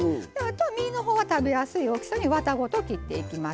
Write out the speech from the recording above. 実の方は食べやすい大きさにワタごと切っていきます。